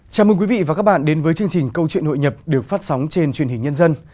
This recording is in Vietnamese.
chào mừng quý vị và các bạn đến với chương trình câu chuyện hội nhập được phát sóng trên truyền hình nhân dân